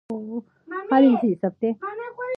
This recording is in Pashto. دوی به دواړه وي سپاره اولس به خر وي.